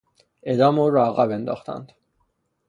اعدام او را عقب انداختند.